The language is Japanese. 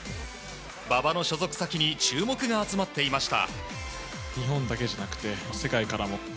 馬場の所属先に注目が集まっていました。